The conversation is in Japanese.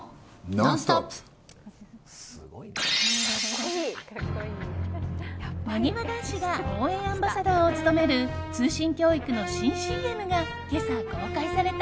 なにわ男子が応援アンバサダーを務める通信教育の新ＣＭが今朝、公開された。